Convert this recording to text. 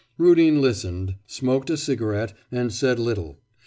Rudin listened, smoking a cigarette, and said little.